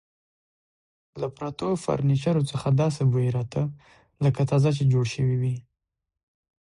له پرتو فرنیچرو څخه داسې بوی راته، لکه تازه چې جوړ شوي وي.